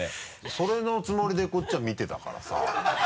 それのつもりでこっちは見てたからさ。